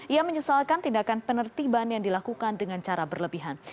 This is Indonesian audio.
ia menyesalkan tindakan penertiban yang dilakukan dengan cara berlebihan